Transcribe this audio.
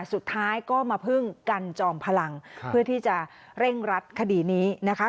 สุดท้ายก็มาพึ่งกันจอมพลังเพื่อที่จะเร่งรัดคดีนี้นะคะ